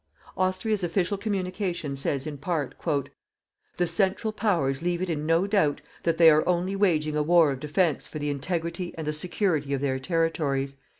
Austria's official communication says in part: "_The Central Powers leave it in no doubt that they are only waging a war of defence for the integrity and the security of their territories.